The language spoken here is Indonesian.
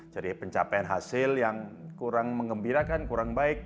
jadi pencapaian hasil yang kurang mengembirakan kurang baik